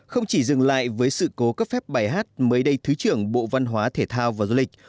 không chỉ dừng lại với sự cố cấp phép bài hát mới đây thứ trưởng bộ văn hóa thể thao và du lịch